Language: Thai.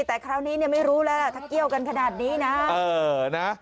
แต่คราวนี้ไม่รู้แล้วถ้าเกี่ยวกันขนาดนี้นะ